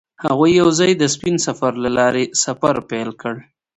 هغوی یوځای د سپین سفر له لارې سفر پیل کړ.